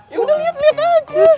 ya udah liat liat aja